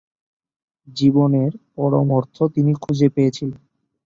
জীবনের পরম অর্থ তিনি খুঁজে পেয়েছিলেন।